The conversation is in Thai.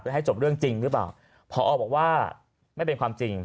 ให้จบเรื่องจริงหรือเปล่าพอบอกว่าไม่เป็นความจริง